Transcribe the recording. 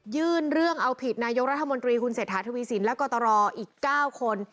ยื่นเรื่องเอาผิดนายกรัฐมนตรีคุณเศรษฐาทวีสินและกตรอีก๙คน